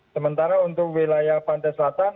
sementara untuk wilayah pantai selatan